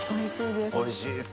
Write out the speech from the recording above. おいしいです。